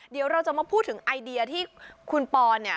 เดี๋ยวเราจะมาพูดถึงไอเดียที่คุณปอนเนี่ย